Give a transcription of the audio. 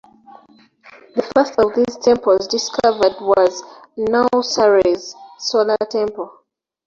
The first of these temples discovered was Niuserre's, Solar Temple.